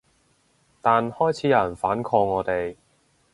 但開始有人反抗我哋